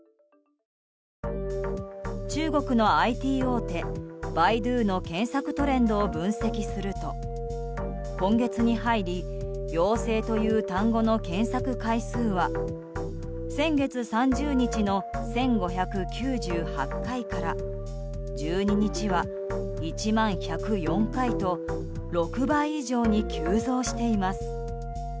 中国のＩＴ大手バイドゥの検索トレンドを分析すると今月に入り「陽性」という単語の検索回数は先月３０日の１５９８回から１２日は１万１０４回と６倍以上に急増しています。